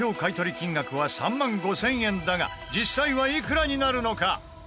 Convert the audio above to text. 金額は３万５０００円だが実際は、いくらになるのか？